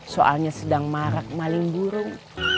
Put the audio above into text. soalnya sedang marak maling burung